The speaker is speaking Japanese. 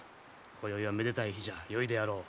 こよいはめでたい日じゃよいであろう？